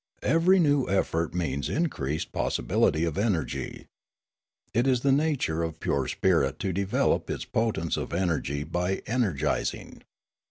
Every new effort means increased possibility of energy. It is of the nature of pure spirit to develop its potence of energy by energising.